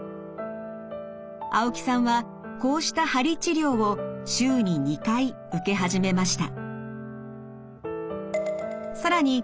青木さんはこうした鍼治療を週に２回受け始めました。